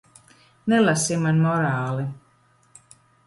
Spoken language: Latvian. Nelasi man morāli.